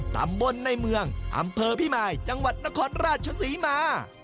ตำบลในเมืองอำเภอพิมายจังหวัดนครราชศรีมา